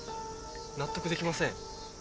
納得できません。